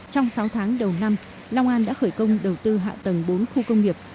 trong sáu tháng đầu năm long an đã khởi công đầu tư hạ tầng bốn khu công nghiệp